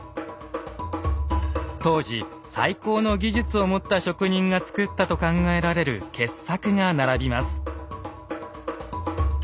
当時最高の技術を持った職人が作ったと考えられる傑作が並びます。